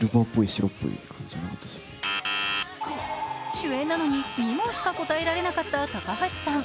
主演なのに２問しか答えられなかった高橋さん。